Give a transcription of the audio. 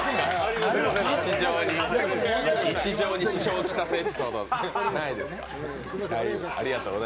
日常に支障を来すエピソードないですか？